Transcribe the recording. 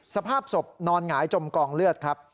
สภาพศพนอนหงายจมกองเลือดครับ